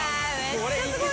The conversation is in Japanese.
これ。